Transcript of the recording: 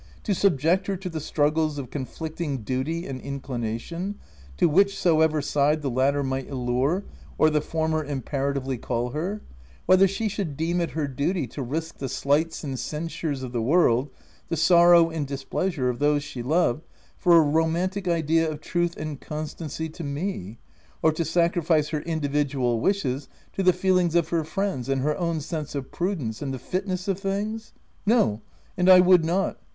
to subject her to the struggles of conflicting duty and inclination — to whichsoever side the latter might allure, or the former imperatively call her — whether she should deem it her duty to risk the slights and censures of the w r orld, the sorrow and displea sure of those she loved, for a roniantic idea of truth and constancy to me, or to sacrifice her individual wishes to the feelings of her friends and her own sense of prudence and the fitness of things ? No — and I would not